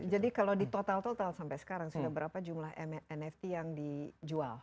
jadi kalau di total total sampai sekarang sudah berapa jumlah nft yang dijual